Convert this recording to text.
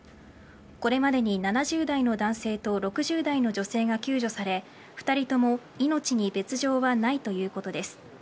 これまでに７０代の男性と６０代の女性が救助され２人とも命に別条はないということです。